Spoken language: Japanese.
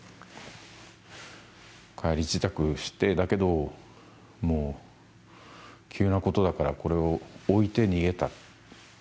帰り支度して、だけど急なことだからこれを置いて逃げた。